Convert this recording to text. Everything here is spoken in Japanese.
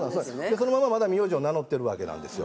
そのまま名字を名乗ってるわけなんですよ。